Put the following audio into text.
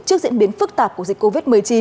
trước diễn biến phức tạp của dịch covid một mươi chín